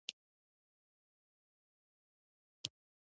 پښتو باید معیاري ولیکل او ولوستل شي، له لهجوي لیکنو څخه دې ډډه وشي.